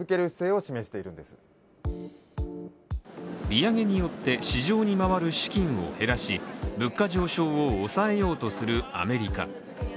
利上げによって、市場に回る資金を減らし物価上昇を抑えようとするアメリカ。